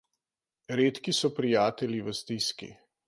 Redki so prijatelji v stiski.